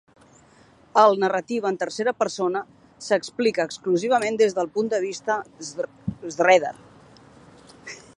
El-narrativa en tercera persona s'explica exclusivament des del punt de vista de Strether.